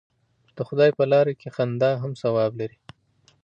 د خدای په لاره کې خندا هم ثواب لري.